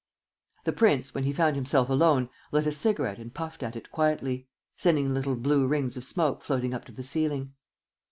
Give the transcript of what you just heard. The prince, when he found himself alone, lit a cigarette and puffed at it quietly, sending little blue rings of smoke floating up to the ceiling.